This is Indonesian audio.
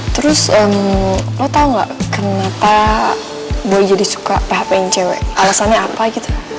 terus lo tau gak kenapa boy jadi suka phpin cewek alasannya apa gitu